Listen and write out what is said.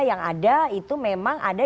yang ada itu memang ada